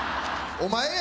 お前や！